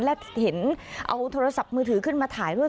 และเห็นเอาโทรศัพท์มือถือขึ้นมาถ่ายด้วย